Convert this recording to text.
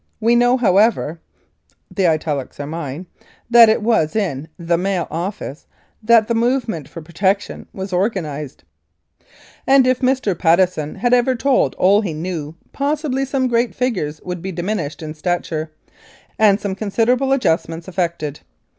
We know, however [the italics are mine], that it was in THE MAIL office that the movement for protection was organised, and if Mr. Patteson had ever told all he knew possibly some great figures would be diminished in stature and some considerable adjustment effected.